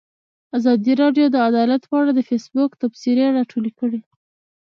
ازادي راډیو د عدالت په اړه د فیسبوک تبصرې راټولې کړي.